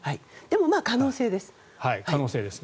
でも可能性です。